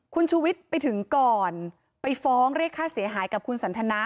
คุณชูวิทย์ไปถึงก่อนไปฟ้องเรียกค่าเสียหายกับคุณสันทนา